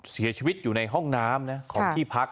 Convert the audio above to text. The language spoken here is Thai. เสียชีวิตอยู่ในห้องน้ำของที่พัก